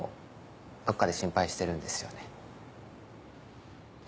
どっかで心配してるんですよねわ